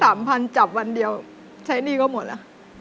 สามพันจับวันเดียวใช้หนี้ก็หมดแล้ว